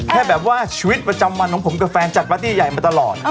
แค่แบบว่าชีวิตประจำวันของผมกับแฟนจัดบัตตี้ใหญ่มาตลอด